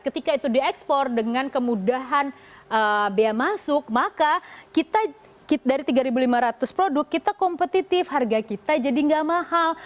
ketika itu diekspor dengan kemudahan bea masuk maka kita dari tiga lima ratus produk kita kompetitif harga kita jadi nggak mahal